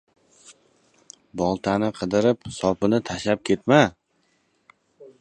• Boltani qidirib, sopini tashlab ketma.